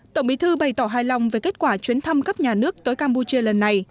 tổng bí thư bày tỏ hài lòng về kết quả chuyến thăm cấp nhà nước tới campuchia lần này